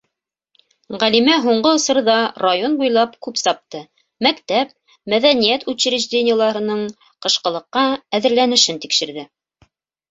Ғәлимә һуңғы осорҙа район буйлап күп сапты, мәктәп, мәҙәниәт учрежде-ниеларының ҡышҡылыҡҡа әҙерләнешен тикшерҙе.